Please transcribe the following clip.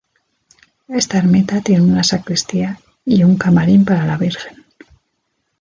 Esta ermita tiene una sacristía y un camarín para la Virgen.